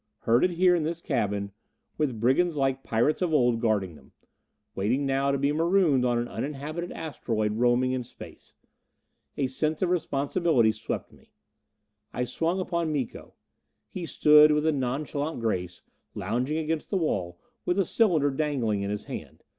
Herded here in this cabin, with brigands like pirates of old guarding them. Waiting now to be marooned on an uninhabited asteroid roaming in space. A sense of responsibility swept me. I swung upon Miko. He stood with a nonchalant grace, lounging against the wall with a cylinder dangling in his hand.